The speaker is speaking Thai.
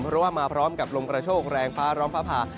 เพราะว่ามาพร้อมกับลมกระโชคแรงฟ้าร้องฟ้าผ่า